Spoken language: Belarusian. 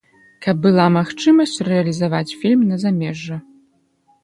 Каб была магчымасць рэалізаваць фільм на замежжа.